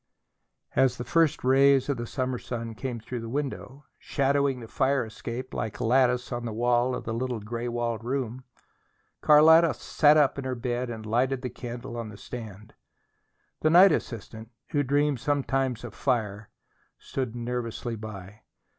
As the first rays of the summer sun came through the window, shadowing the fire escape like a lattice on the wall of the little gray walled room, Carlotta sat up in her bed and lighted the candle on the stand. The night assistant, who dreamed sometimes of fire, stood nervously by.